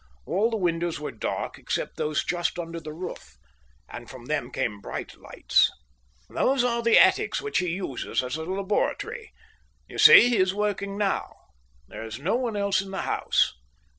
All the windows were dark except those just under the roof, and from them came bright lights. "Those are the attics which he uses as a laboratory. You see, he is working now. There is no one else in the house."